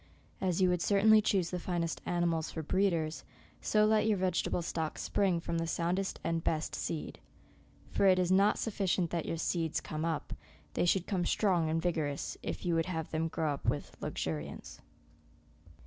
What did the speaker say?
As you would certainly choose the finest animals for breeders, so let your vege table stock spring from the soundest and best seed ; for it is not sufficient that your seeds come up ,• they should come strong and vig 178 SEPTEMBER. orous, if you would have them grow with luxuriance.